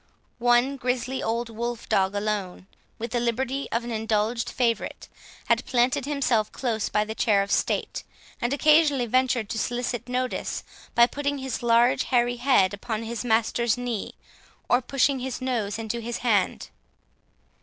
One grisly old wolf dog alone, with the liberty of an indulged favourite, had planted himself close by the chair of state, and occasionally ventured to solicit notice by putting his large hairy head upon his master's knee, or pushing his nose into his hand.